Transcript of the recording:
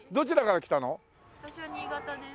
私は新潟です。